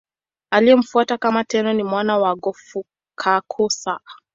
Aliyemfuata kama Tenno ni mwana wake Go-Fukakusa.